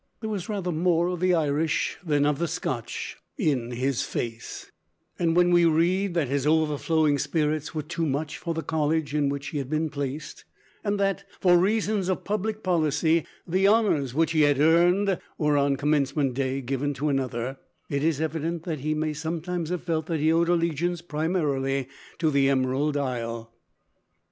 There was rather more of the Irish than of the Scotch in his face, and when we read that his overflowing spirits were too much for the college in which he had been placed, and that, for "reasons of public policy," the honours which he had earned were on commencement day given to another, it is evident that he may sometimes have felt that he owed allegiance primarily to the Emerald Isle.